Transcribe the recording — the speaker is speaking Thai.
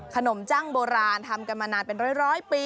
จังโบราณทำกันมานานเป็นร้อยปี